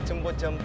gua lagi ambil